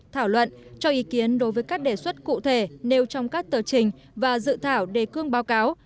thảo luận cho ý kiến đối với các đề xuất cụ thể nêu trong các tờ trình và dự thảo đề cương báo cáo